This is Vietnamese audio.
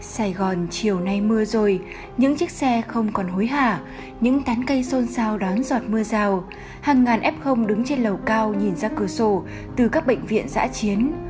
sài gòn chiều nay mưa rồi những chiếc xe không còn hối hả những tán cây xôn xao đón giọt mưa rào hàng ngàn f đứng trên lầu cao nhìn ra cửa sổ từ các bệnh viện giã chiến